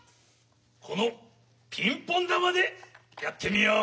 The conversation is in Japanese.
このピンポンだまでやってみよう。